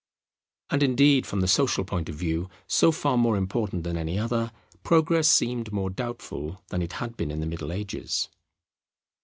And indeed, from the social point of view, so far more important than any other, Progress seemed more doubtful than it had been in the Middle Ages.